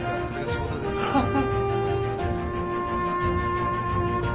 それが仕事ですから。